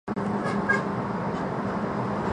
官至广东督粮道。